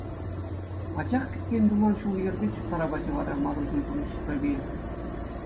Пачах кӗтмен-туман ҫул-йӗрпе чуптара пачӗ вара Маруҫӑн пурнӑҫ урапийӗ.